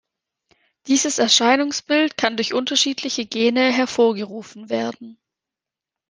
Dieses Erscheinungsbild kann durch unterschiedliche Gene hervorgerufen werden.